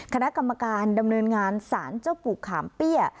คณะกรรมการดำเนินงานสารเจ้าปู่ขามเปี้ย